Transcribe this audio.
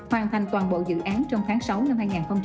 hoàn thành toàn bộ dự án trong tháng sáu năm hai nghìn hai mươi